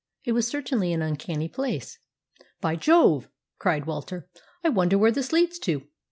It was certainly an uncanny place. "By Jove!" cried Walter, "I wonder where this leads to?"